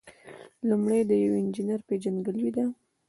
لومړی د یو انجینر پیژندګلوي ده.